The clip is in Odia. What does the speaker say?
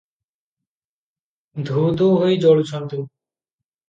ଧୂ-ଧୂ ହୋଇ ଜଳୁଛନ୍ତି ।